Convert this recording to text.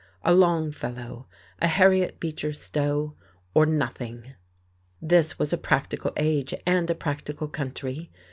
A Longfellow, a Harriet Beecher Stowe, or nothing. This was a practical age and a practical country.